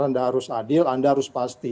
anda harus adil anda harus pasti